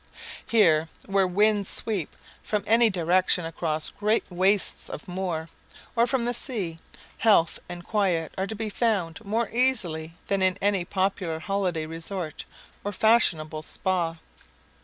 Here, where winds sweep from any direction across great wastes of moor, or from the sea, health and quiet are to be found more easily than in any popular holiday resort or fashionable spa.